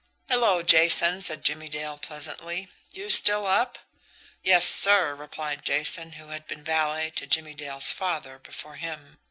"Hello, Jason," said Jimmie Dale pleasantly. "You still up!" "Yes, sir," replied Jason, who had been valet to Jimmie Dale's father before him.